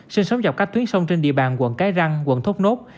sinh sống dọc các tuyến sông trên địa bàn quận cái răng quận thốt nốt